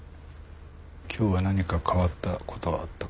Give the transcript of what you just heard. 今日は何か変わったことはあったか？